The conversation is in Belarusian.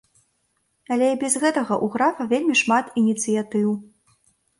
Але і без гэтага у графа вельмі шмат ініцыятыў.